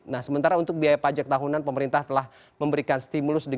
nah sementara untuk biaya pajak tahunan pemerintah telah memberikan stimulus